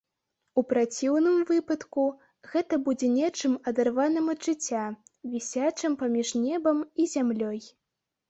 У праціўным выпадку гэта будзе нечым адарваным ад жыцця, вісячым паміж небам і зямлёй.